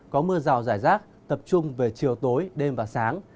có mưa rào rải rác tập trung về chiều tối đêm và sáng